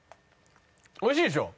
美味しいでしょ？